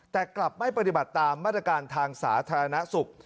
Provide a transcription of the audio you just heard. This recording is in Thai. แต่กลับไม่ปฏิบัติตามมาตรการทางสาธารณสุข